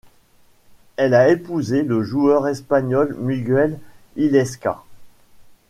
Elle a épousé le joueur espagnol Miguel Illescas.